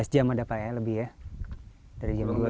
dua belas jam ada pak ya lebih ya